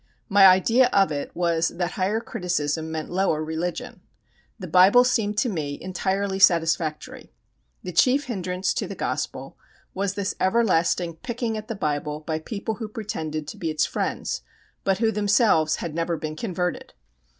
My idea of it was that Higher Criticism meant lower religion. The Bible seemed to me entirely satisfactory. The chief hindrance to the Gospel was this everlasting picking at the Bible by people who pretended to be its friends, but who themselves had never been converted.